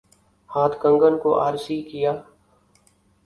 ہاتھ کنگن کو آرسی کیا؟